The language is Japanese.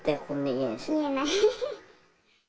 言えない。